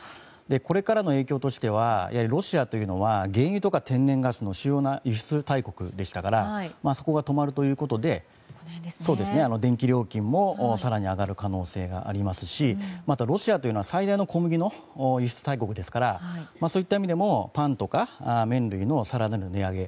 これからの影響としてはロシアというのは原油とか天然ガスの主要な輸出大国でしたからそこが止まるということで電気料金も更に上がる可能性がありますしまたロシアというのは最大の小麦の輸出大国ですからそういった意味でもパンとか麺類の更なる値上げ。